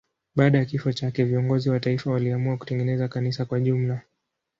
Baada ya kifo chake viongozi wa taifa waliamua kutengeneza kanisa kwa jumla.